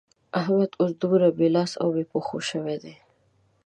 احمد اوس دومره بې لاس او بې پښو شوی دی.